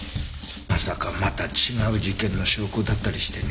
まさかまた違う事件の証拠だったりしてね。